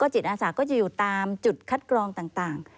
จิตอาสาก็จะอยู่ตามจุดคัดกรองต่าง